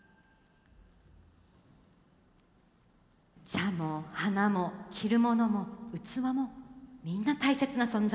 茶も花も着るものも器もみんな大切な存在。